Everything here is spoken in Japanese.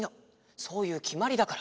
そういうきまりだから。